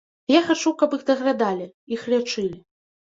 Я хачу, каб іх даглядалі, іх лячылі.